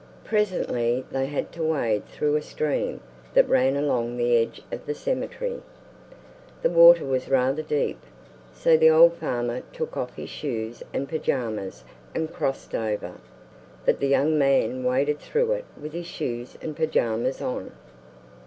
Presently they had to wade through a stream that ran along the edge of the cemetery. The water was rather deep, so the old farmer took off his shoes and pajamas and crossed over; but the young man waded through it with his shoes and pajamas on.